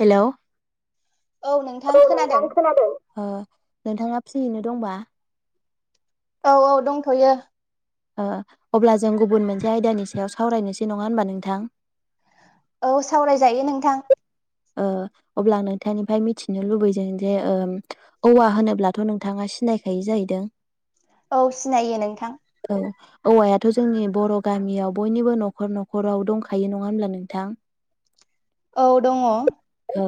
हेल' औ नोंथां खोनादों ओ नोंथाङा फ्रियैनो दंबा औ औ दंथ'यो अ अब्ला जों गुबुन मोनसे आयदानि सायाव सावरायनोसै नङा होमबा नोंथां? औ सावरायजायो नोंथां । ओ अ अब्ला नोंथांनिफ्राय मिथिनो लुबैदों जे ओ औवा होनोब्लाथ' नोंथाङा सिनायखायो जाहैदों? औ सिनायो नोंथां औ औवायाथ' जोंनि बर' गामियाव बयनिबो न'खर न'खराव दंखायो नङा होनब्ला नोंथां? औ दङ ओ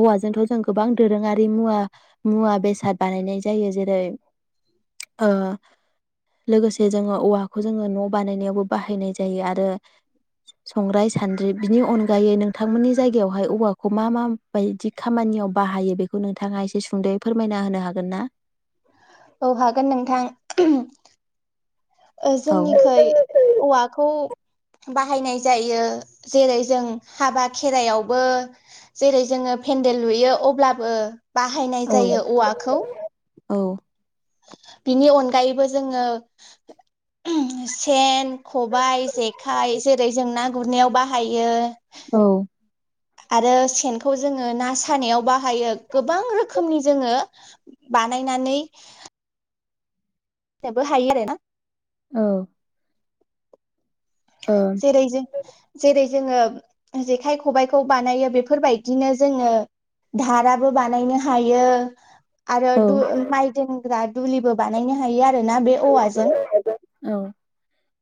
औवाजोंथ' जों गोबां दोरोङारि मुवा मुवा बेसाद बानायनाय जायो जेरै अ लोगोसे जोङो औवाखौ जोङो न' बानायनायावबो बाहायनाय जायो आरो संग्राय सानद्रि बिनि अनगायै नोंथांमोननि जायगायावहाय औवाखौ मा मा बायदि खामानियाव बाहायो बेखौ नोंथाङा एसे सुंद'यै फोरमायना होनो हागोन ना? औ हागोन नोंथां अ औ जोंनिखै औवाखौ बाहायनाय जायो जेरै जों हाबा खेराइाशयावबो जेरै जोङो पेन्देल लुयो अब्लाबो बाहायनाय औ जायो औवाखौ औ बिनि अनगायैबो जोङो सेन खबाइ जेखाइ जेरै जों ना गुरनायाव बाहायो । औ आरो सेनखौ जोङो ना सानायाव बाहायो । गोबां रोखोमनि जोङो बानायनानै थेबो हायो आरो ना औ जेरै जों जेरै जोङो जेखाइ खबाइखौ बानायो बेफोरबायदिनो जोङो धाराबो बानायनो हायो । आरो दु ओ माइ दोन [unintelligible] दुलिबो बानायनो हायो आरो । बे औवाजों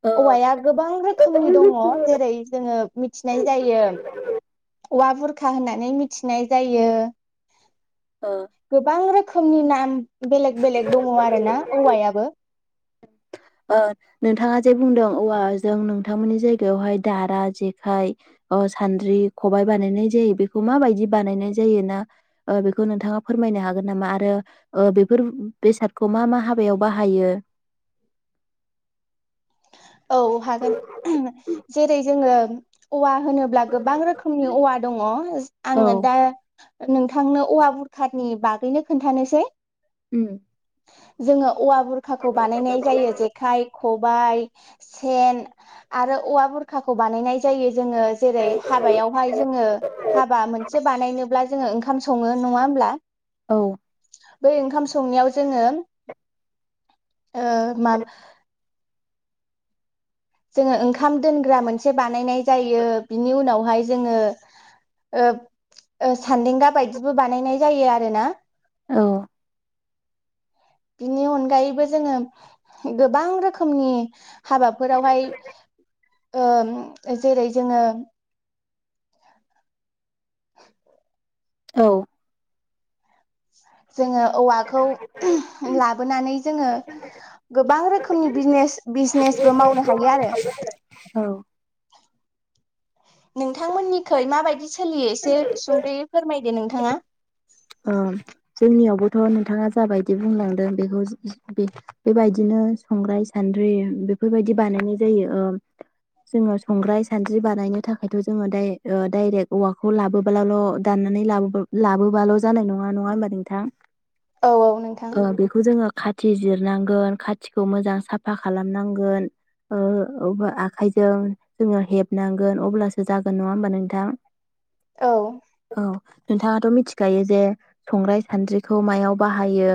ओ औवाया गो गोबां रोखोमनि दङ जेरै जोङो मिथिनाय जायो । औवा बुरखा होननानै मिथिनाय जायो । गोबां रोखोम रोखोमनि नाम बेलेग बेलेग दङ आरो ना औवायाबो । ओ नोंथाङा जे बुंदों औवाजों नोंथांमोननि जायगायावहाय दारा जेखाइ ओ सान्द्रि खबबाय बानायनाय जायो बेखौ माबायदि बानायनाय जायो ना ओ बेखौ ओ नोंथाङा फोरमायनो हागोन नामा ओ आरो बेफोर बेसादखौ मा मा हाबायाव बाहायो? औ हागोन जेरै जोङो औवा होनोब्ला गोबां रोखोमनि औवा दङ आङो औ दा नोंथांनो औवा बुरखानि बागैनो खोन्थानोसै । उम जोङो औवा बुरखाखौ बानायनाय जायो जेखाइ खबाइ सेन आरो औवा बुरखाखौ बानायनाय जायो जोङो जेरै हाबायावहाय जोङो हाबा मोनसे बानायनोब्ला जोङो जोङो ओंखाम सङो नङा होमब्ला । औ बै ओंखाम संनायाव जोङो ओ मा जोङो ओंखाम दोनग्रा मोनसे बानायनाय जायो बिनि उनावहाय जोङो ओ सान्देंगा बायदिबो बानायनाय जायो आरोना। औ बिनि अनगायैबो जोङो गोबां रोखोमनि हाबाफोरावहाय ओ जेरै जोङो औ जोङो औवाखौ लाबोनानै जोङो गोबां रोखोमनि बिजनेस बिजनेसबो मावनो हायो आरो। औ नोंथांमोननिखै माबोरै सोलियो एसे सुंद'यै फोरमाय दे नोंथाङा। ओ जोंनियावबोथ' नोंथाङा जाबायदि बुंलांदों बेखौ बेबायदिनो संग्राय सान्द्रि बेफोरबायदि बानायनाय जायो ओ जोङो संग्राय सान्द्रि बानायनो थाखायथ' जोङो दा-दायरेक्ट औवाखौ लाबोल' दाननानै लाबोबाल' जानाय नङा नङा होनब नोंथां औ औ नोंथां ओ बेखौ जोङो खाथि जिरनांगोन खाथिखौ मोजां साफा खालामनांगोन ओ आखाइजों जोङो ओ हेबनांगोन अब्लासो जागोन नङा होमबा नोंथां औ नोंथाङाथ' मिथि खायो जे संग्राइ सान्द्रिखौ मायाव बाहायो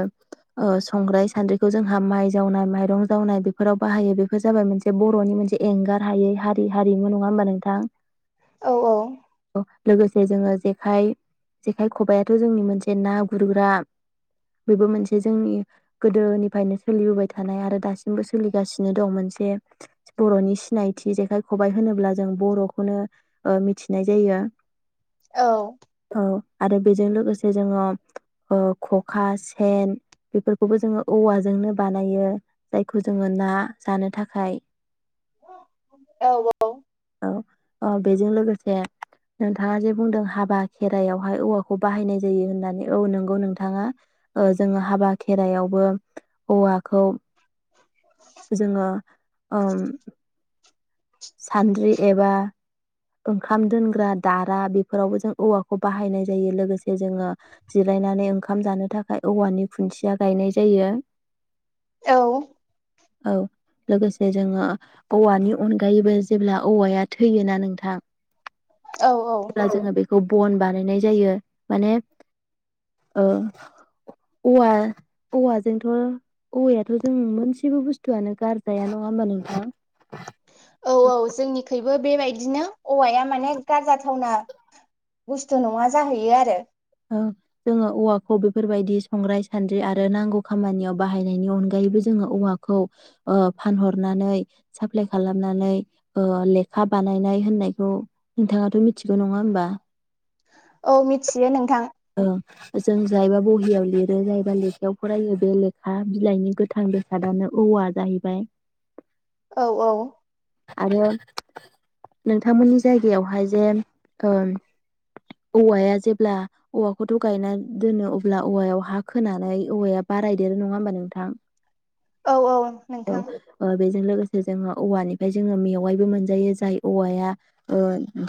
ओ संग्राइ सान्द्रिखौ जोंहा माइ जावनाय माइरं जावनाय बेफोराव बाहायो बेफोर जाबाय मोनसे बर'नि मोनसे एंगार हायै हारि हारिमु नङा होमबा नोंथां? औ औ। लोगोसे जोङो जेखाय जेखाय खबायाथ' जोंनि मोनसे ना गुरग्रा बेबो मोनसे जोंनि गोदोनिफ्रायनो सोलिबोबाय थानाय आरो दासिमबो सोलिगासिनो दं मोनसे बर'नि सिनायथि जेखाइ खबाइ होनोब्ला जों बर'खौनो ओ मिथिनाय जायो। औ औ आरो बेजों लोगोसे जोङो ओ खखा सेन बेफोरखौबो जोङो औवाजोंनो बानायो जायखौ जोङो ना जानो थाखाय। औ औ औ बेजों लोगोसे। जे नोंथाङा जे बुंदों हाबा खेरायाव बेहाय औवाखौ बाहायनाय जायो होननानै औ नोंगौ नोंथाङा जोङो ओ हाबा खेराइायावबो औवाखौ जोङो ओम सानद्रि एबा ओंखाम दोनग्रा दारा बेफोरावबो जों औवाखौ बाहायनाय जायो लोगोसे जोङो जिरायनानै ओंखाम जानो थाखाय औवानि खुन्थिया गायनाय जायो। औ औ लोगोसे जोङो औवानि अनगायैबो जेब्ला औवाया थैयोना नोंथां। थां औ अब्ला जोङो बेखौ बन बानायनाय जायो माने ओ औवा औवाजोंथ' औवायाथ' जों मोनसेबो बुस्थुआनो गारजाया नङा होमबा नोंथां। औ औ जोंनि खै बो बेबायदिनो औवाया माने गारजाथावना बुस्थु नङा जाहैयो आरो। ओ जोङो औवाखौ बेफोरबायदि संग्राय सान्द्रि आरो नांगौ खामानियाव बाहायनायनि अनगायैबो जोङो औवाखौ ओ फानहरनानै साप्लााय खालामनानै लेखा बानायनाय होननायखौ नोंथाङाथ' मिथिगौ नङा होमबा। औ मिथियो नोंथां ओ जों जायबा बहियाव लिरो जायबा लेखायाव फरायो बे लेखा बिलाइनि गोथां बेसादानो औवा जाहैबाय। औ औ आरो नोंथांमोननि जायगायावहाय ओ जे औवाया जेब्ला औवाखौथ' गायना दोनो अब्ला औवायाव हा खोनानै औवाया बारायदेरो नङा होमबा नोंथां। औ औ नोंथां जों औवानि ओमफाय जोङो मेवाइबो मोनजायो जाय औवाया ओ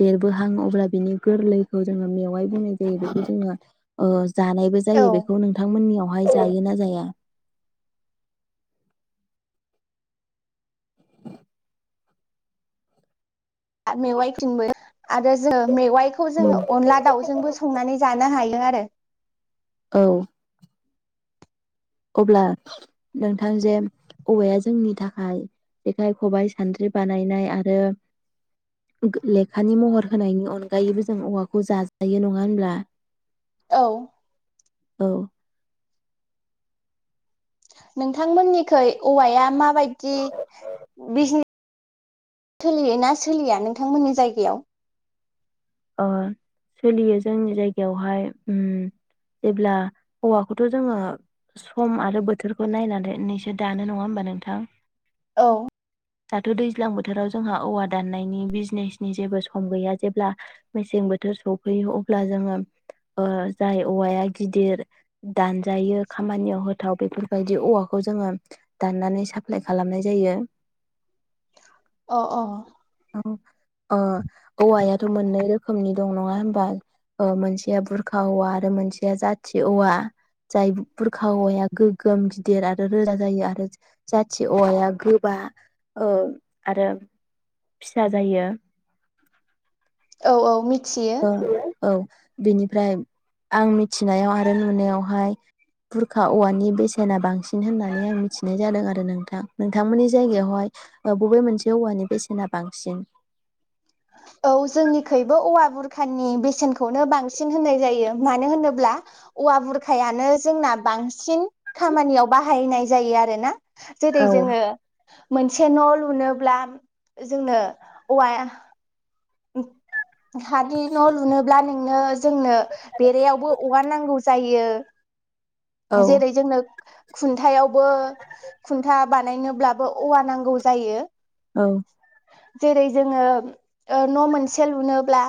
देरबोहां अब्ला बिनि गोरलैखौ जोङो मेवाइ बुंनाय जायो बेखौ जोङो ओ जानायबो जायो औ बेखौ नोंथांमोननियाव वाय जायोना जाया आरो मेवाइथिंबो आरो जों मेवाइखौ जोङो अनला दाउजोंबो संनानै जानो हायो दो आरो औ अब्ला नोंथां जे औवाया जोंनि थाखाय जेखाइ खबाइ सान्द्रि बानायनाय आरो लेखानि महर होनायनि अनगायैबो जों औवाखौ जाजायो नङा होनब्ला औ औ नोंथांमोनिखै औवाया मा बायदि बि सोलियोना सोलिया नोंथांमोननि जायगायाव ओ सोलियो जोंनि जायगायावहाय उम जेब्ला औवाखौथ' जोङो सम आरो बोथोरखौ नायनानैसो दानो नङा होमबा नोंथां औ दाथ' दैज्लां बोथोराव जोंहा औवा दान्नायनि बिजनेसनि जेबो सम गैया जेब्ला मेसें बोथोर सफैयो अब्ला जोङो ओ जाय औवाया गिदिर दान जायो खामानियाव हो थ' बेफोरबायदि औवाखौ जोङो दाननानै साप्लाय खालामनाय जायो अ अ औ अ औयाथ' मोननै रोखोमनि रोखोमनि दं नङा होमबा ओ मोनसेया बुरखा औवा आरो मोनसेया जाथि औवा जाय बुरखा हौवाया गोगोम गिदिर आरो रोजा जायो आरो जाथि औवाया गोबा आरो फिसा जायो औ औ मिथि औ औ बिनिफ्राय आं मिथिनायाव आरो नुनायावहाय बुरखा औवानि बेसेना बांसिन होननानै आं मिथिनाय जादों आरो नोंथां नोंथांमोननि जायगायावहाय ओ बबे मोनसे औवानि बेसेना बांसिन औ जोंनिखैबो औवा बुरखानि बेसेनखौनो बांसिन होननाय जायो मानो होनोब्ला औवा बुरखायानो जोंना बांसिन खामानियाव बाहायनाय जायो आरोना औ जेरै जोङो मोनसे न' लुनोब्ला जोंनो औवा औ हानि न' लुनोब्ला नोंनो जोंनो बेरायावबो औवा नांगौ जायो औ जेरै जोंनो खुन्थायाव बो खुन्था बानायनोब्लाबो औवा नांगौ जायो औ जेरै जोङो ओ न' मोनसे लुनोब्ला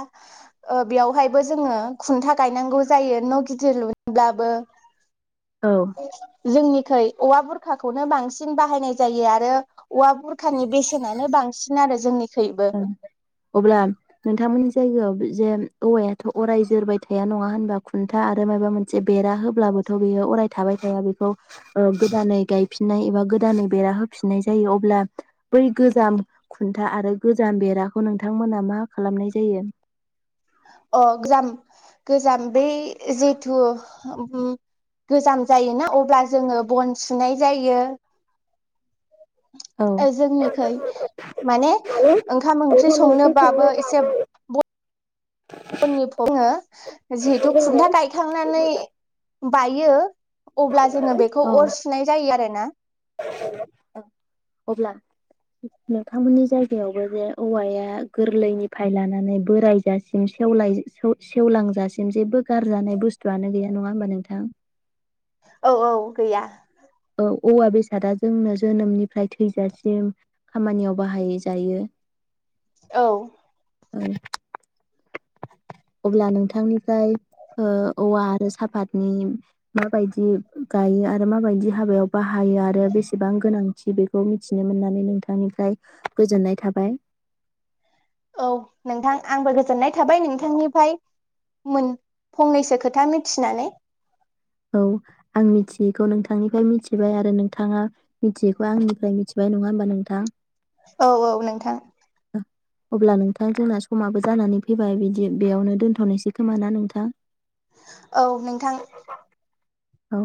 बेयावहायबो जोङो खुन्था गायनांगौ जायो न' गिदिर लुनोब्लाबो औ [inaudible] जोंनिखै औवा बुरखाखौनो बांसिन बाहायनाय जायो आरो औवा बुरखानि बेसेनानो बांसिन आरो जोंनिखैबो अब्ला नोंथांमोननि जायगायाव जे औवायाथ' अराय जोरबाय थाया नङा होनबा खुन्था आरो माबा मोनसे बेरा होब्लाबोथ' बेयो अराय थाबाय थाया बेखौ गोदानै गायफिननाय एबा गोदानै बेरा होफिननाय जायो अब्ला बै गोजाम खुन्था आरो गोजाम बेराखौ नोंथांमोना मा खालामनाय जायो? अ गोजाम गोजाम बे जेथु गोजाम जायोना अब्ला जोङो बन सुनाय जायो औ जोंनिखै माने ओंखाम ओंख्रि संनोबाबो एसे जिहेथु खुन्था गायखांनानै बायो अब्ला जोङो बेखौ अर औ सुनाय जायो आरो [unintelligible] अब्ला नोंथांमोननि जायगायावबो जे औवाया गोरलैनिफ्राय लानानै बोरायजासिम सेव सेवलांजासिम जेबो गारजानाय बुस्थुआनो गैया नङा होमबा नोंथां। औ औ गैया औ औवा बेसादा जोंनो जोनोमनिफ्राय थैजासिम खामानियाव बाहाय जायो। औ [inaudible] अब्ला नोंथांनिफ्राय ओ औवा आरो सापातनि माबायदि गायो आरो माबायदि हाबायाव बाहायो आरो बेसेबां गोनां गोनांथि बेखौ मिथिनो मोननानै नोंथांनिफ्राय गोजोननाय थाबाय। औ नोंथां आंबो गोजोननाय थाबाय नोंथांनिफ्राय मोन फंनैसो खोथा मिथिनानै। औ आं मिथियैखौ नोंथांनिफ्राय मिथिबाय आरो नोंथाङा मिथियैखौ आंनिफ्राय मिथिबाय नङा होमबा नोंथां। औ औ नोंथां। अब्ला नोंथां जोंना समाबो जानानै फैबाय बिदि बेयावनो दोनथ'नोसै खोमा ना नोंथां। औ नोंथां। औ